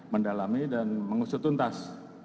mendalami dan mengusuh tuntas